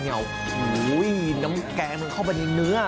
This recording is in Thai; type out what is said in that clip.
โอ้โหน้ำแกงมันเข้าไปในเนื้อ